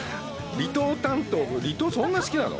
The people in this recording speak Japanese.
離島担当、離島、そんなに好きなの？